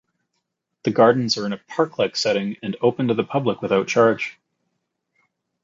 The Gardens are in a park-like setting and open to the public without charge.